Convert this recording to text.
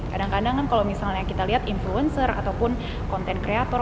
kadang kadang kan kalau misalnya kita lihat influencer ataupun content creator